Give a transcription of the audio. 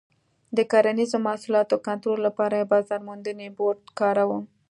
د کرنیزو محصولاتو کنټرول لپاره یې بازار موندنې بورډ کاراوه.